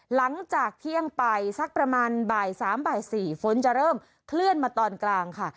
หลังจากเที่ยงไปสักประมาณบ่าย๓บ่าย๔ฝนจะเริ่มเคลื่อนมาตอนกลางค่ะ